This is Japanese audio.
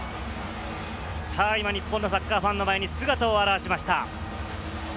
日本のサッカーファンの前に姿を現しました。